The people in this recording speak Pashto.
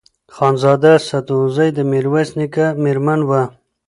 خانزاده سدوزۍ د میرویس نیکه مېرمن وه.